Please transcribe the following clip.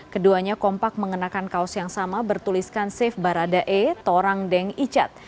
keduanya kompak mengenakan kaos yang sama bertuliskan safe baradae torang deng icat